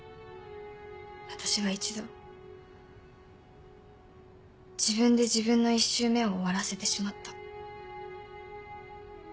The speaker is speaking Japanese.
私は一度自分で自分の１周目を終わらせてしまった。